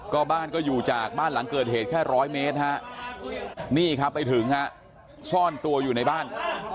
ก็บ้านก็อยู่จากบ้านหลังเกิดเหตุแค่ร้อยเมตรฮะนี่ครับไปถึงฮะซ่อนตัวอยู่ในบ้าน